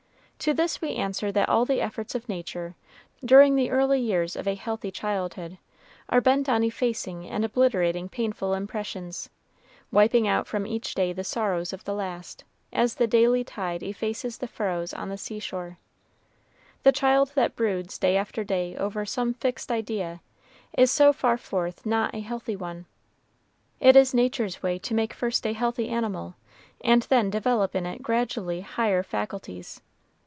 To this we answer that all the efforts of Nature, during the early years of a healthy childhood, are bent on effacing and obliterating painful impressions, wiping out from each day the sorrows of the last, as the daily tide effaces the furrows on the seashore. The child that broods, day after day, over some fixed idea, is so far forth not a healthy one. It is Nature's way to make first a healthy animal, and then develop in it gradually higher faculties.